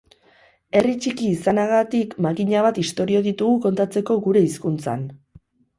Herri txiki izanagatik makina bat istorio ditugu kontatzeko gure hizkuntzan.